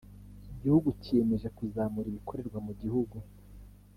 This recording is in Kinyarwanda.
Igihugu kiyemeje kuzamura ibikorerwa mu gihugu